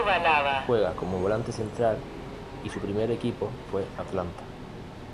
Juega como volante central y su primer equipo fue Atlanta.